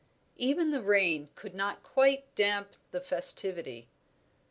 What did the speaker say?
Even the rain could not quite damp the festivity.